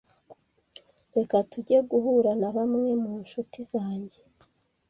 Reka tujye guhura na bamwe mu nshuti zanjye.